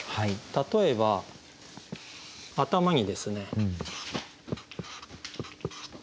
例えば頭にですね。